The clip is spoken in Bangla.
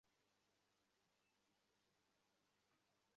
শুক্রবার রাতে আততায়ীরা ক্রেমলিনের খুব কাছেই গুলি করে নেমৎসভকে হত্যা করে।